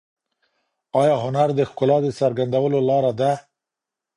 آیا هنر د ښکلا د څرګندولو لاره ده؟